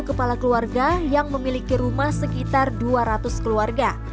kepala keluarga yang memiliki rumah sekitar dua ratus keluarga